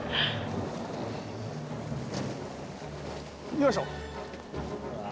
よいしょ。